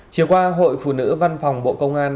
chiều qua hội phụ nữ văn phòng bộ công an